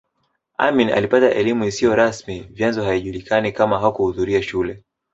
Amin alipata elimu isiyo rasmi vyanzo haijulikani kama hakuhudhuria shule